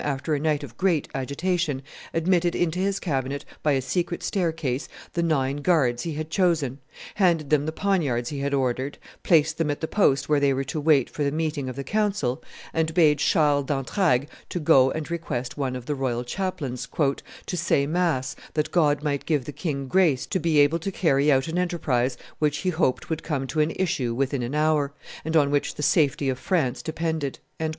after a night of great agitation, admitted into his cabinet by a secret staircase the nine guards he had chosen, handed them the poniards he had ordered, placed them at the post where they were to wait for the meeting of the council, and bade Charles d'Entragues to go and request one of the royal chaplains "to say mass, that God might give the king grace to be able to carry out an enterprise which he hoped would come to an issue within an hour, and on which the safety of France depended."